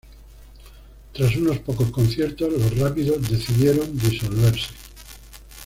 Tras unos pocos conciertos, Los Rápidos decidieron disolverse.